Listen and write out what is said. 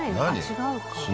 違うか砂？